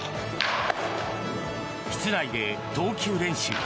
室内で投球練習。